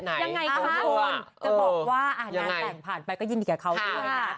ยังไงคะคุณจะบอกว่างานแต่งผ่านไปก็ยินดีกับเขาด้วยค่ะ